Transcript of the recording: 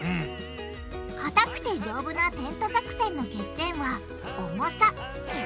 かたくて丈夫なテント作戦の欠点は重さ。